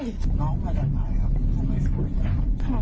น้องมาจากไหนครับทำไมสวย